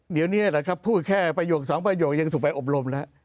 เดี๋ยวนี้แหละครับพูดแค่ประโยคสองประโยคยังถูกไปอบรมแล้ว